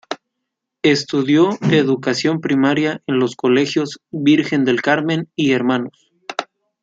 Estudió educación primaria en los colegios "Vírgen del Carmen" y "Hnos.